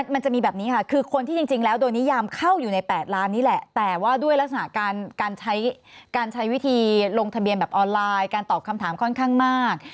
มันจะมีแบบนี้ค่ะคือคนที่จริงแล้วโดยนิยามเข้าอยู่ใน๘ล้านนี้แหละแต่ว่าด้วยลักษณะการใช้การใช้วิธีลงทะเบียนแบบออนไลน์การตอบคำถามค่อนข้างมาก